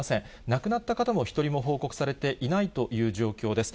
亡くなった方も１人も報告されていないという状況です。